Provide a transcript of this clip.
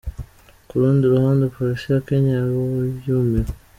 Ku rundi ruhande polisi ya Kenya yo yumiwe.